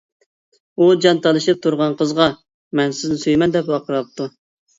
ئۇ جان تالىشىپ تۇرۇپ قىزغا «مەن سىزنى سۆيىمەن» دەپ ۋارقىراپتۇ.